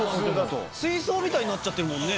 水槽みたいになっちゃってるもんね。